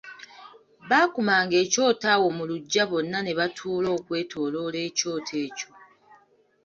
Baakumanga ekyoto awo mu luggya bonna ne batuula okwetoloola ekyoto ekyo.